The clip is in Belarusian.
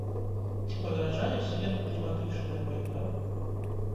Ці пагражае свету кліматычная вайна?